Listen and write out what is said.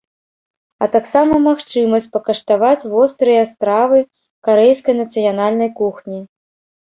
А таксама магчымасць пакаштаваць вострыя стравы карэйскай нацыянальнай кухні.